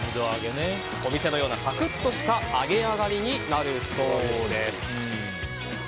お店のようなサクッとした揚げ上がりになるそうです。